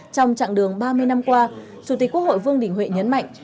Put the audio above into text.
trong chặng đường ba mươi năm qua chủ tịch quốc hội vương đình huệ nhấn mạnh